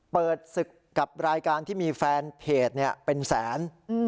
เปิดอัพแนวที่มีแฟนเพจเป็นแสน